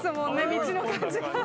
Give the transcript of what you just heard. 道の感じが。